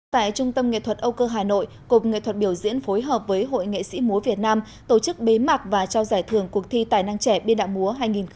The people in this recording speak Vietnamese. tại trung tâm nghệ thuật âu cơ hà nội cục nghệ thuật biểu diễn phối hợp với hội nghệ sĩ múa việt nam tổ chức bế mạc và trao giải thưởng cuộc thi tài năng trẻ biên đạo múa hai nghìn một mươi chín